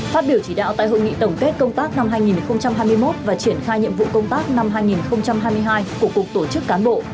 phát biểu chỉ đạo tại hội nghị tổng kết công tác năm hai nghìn hai mươi một và triển khai nhiệm vụ công tác năm hai nghìn hai mươi hai của cục tổ chức cán bộ